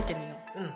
うん。